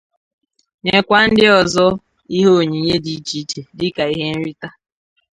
nyekwa ndị ọzọ ihe onyinye dị icheiche dịka ihe nrita.